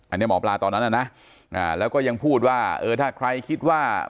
อันนี้หมอปลาตอนนั้นน่ะนะแล้วก็ยังพูดว่าเออถ้าใครคิดว่า